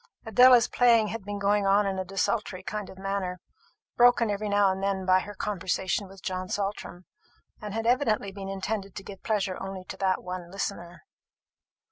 Adela's playing had been going on in a desultory kind of manner, broken every now and then by her conversation with John Saltram, and had evidently been intended to give pleasure only to that one listener.